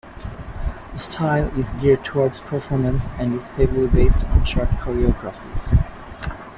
The style is geared towards performance and is heavily based on short choreographies.